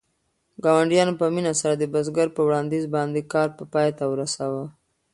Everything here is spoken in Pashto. ګاونډیانو په مینه سره د بزګر په وړاندیز باندې کار پای ته ورساوه.